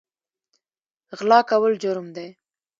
غلا کول جرم دی